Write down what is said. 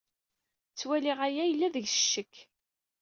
Ttwaliɣ aya yella deg-s ccek.